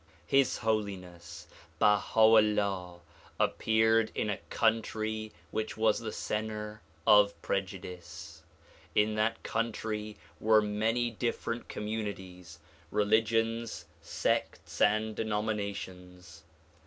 His Holiness Baha 'Ullah appeared in a country which was the center of prejudice. In that country' were many different communities, religions, sects and denominations.